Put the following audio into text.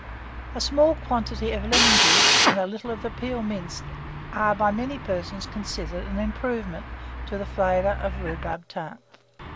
A small quantity of lemon juice, and a little of the peel minced, are by many persons considered an improvement to the flavour of rhubarb tart.